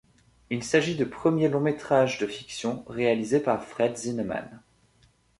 Il s'agit du premier long métrage de fiction réalisé par Fred Zinnemann.